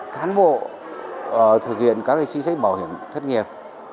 khán bộ thực hiện các chính sách bảo hiểm thất nghiệp